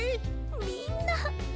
みんな。